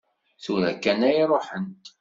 Tura kan ay ruḥent.